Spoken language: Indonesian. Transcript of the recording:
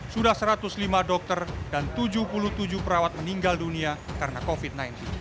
sudah satu ratus lima dokter dan tujuh puluh tujuh perawat meninggal dunia karena covid sembilan belas